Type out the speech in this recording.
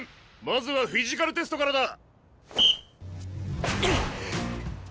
まずはフィジカルテストからだ！